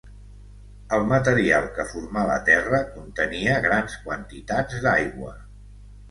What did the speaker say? El material que formà la Terra contenia grans quantitats d'aigua.